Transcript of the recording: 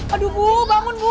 aduh bu bangun bu